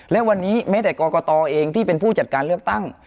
และวันนี้แม้แต่กรกตเองที่เป็นผู้จัดการเลือกตั้ง